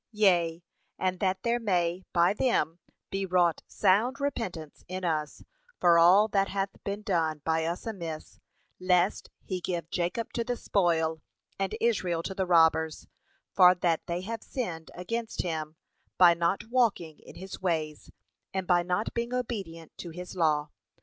Yea, and that there may, by them, be wrought sound repentance in us for all that hath been done by us amiss, lest he give 'Jacob to the spoil, and Israel to the robbers;' for that they have sinned against him by not walking in his ways, and by not being obedient to his law.